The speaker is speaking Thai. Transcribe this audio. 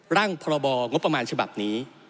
พรบงบประมาณฉบับนี้